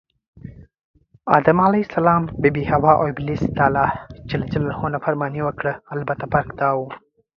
آدم ع، بي بي حوا اوابلیس دالله ج نافرماني وکړه البته فرق دا و